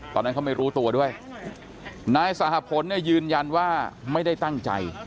ตอนนั้นเขาไม่รู้ตัวด้วยนายสหพลเนี่ยยืนยันว่าไม่ได้ตั้งใจ